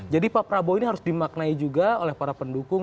jadi pak prabowo ini harus dimaknai juga oleh para pendukung